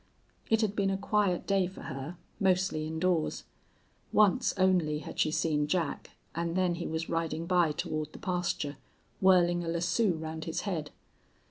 It had been a quiet day for her, mostly indoors. Once only had she seen Jack, and then he was riding by toward the pasture, whirling a lasso round his head.